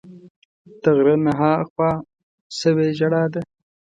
د غره نه ها خوا سوې ژړا ده